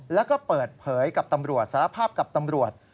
แล้วก็เปิดเผยกับตำรวจสารภาพกับตำรวจ